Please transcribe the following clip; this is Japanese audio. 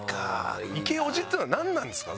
イケオジってのは何なんですか？